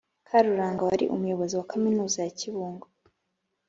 Karuranga wari Umuyobozi wa Kaminuza ya Kibungo,